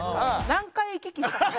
何回行き来したか。